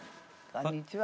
こんにちは。